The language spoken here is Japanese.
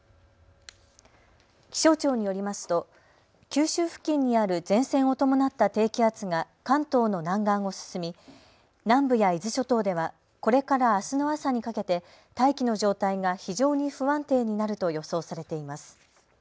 気象庁によりますと九州付近にある前線を伴った低気圧が関東の南岸を進み南部や伊豆諸島ではこれからあすの朝にかけて大気の状態が非常に不安定になると予想されています。